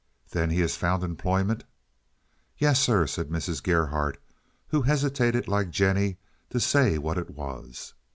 "Then he has found employment?" "Yes, sir," said Mrs. Gerhardt, who hesitated, like Jennie, to say what it was.